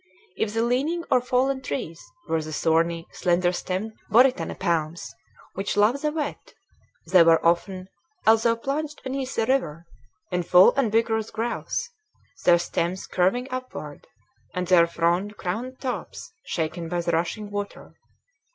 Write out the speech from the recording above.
If the leaning or fallen trees were the thorny, slender stemmed boritana palms, which love the wet, they were often, although plunged beneath the river, in full and vigorous growth, their stems curving upward, and their frond crowned tops shaken by the rushing water.